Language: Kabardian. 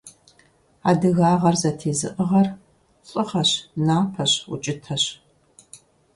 Адыгагъэр зэтезыӀыгъэр лӀыгъэщ, напэщ, укӀытэщ.